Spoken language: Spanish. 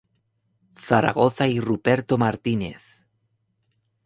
Zaragoza y Ruperto Martínez.